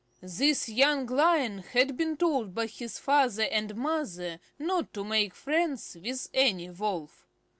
This young Lion had been told by his father and mother not to make friends with any Wolf.